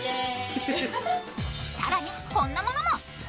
更にこんなものも。